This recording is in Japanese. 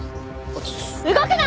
動くな！